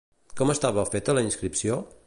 Com estava feta la inscripció?